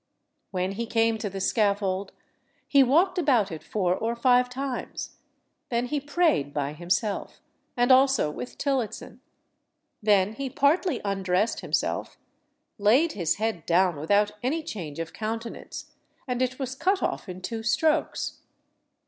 When he came to the scaffold, he walked about it four or five times: then he prayed by himself, and also with Tillotson; then he partly undressed himself, laid his head down without any change of countenance, and it was cut off in two strokes.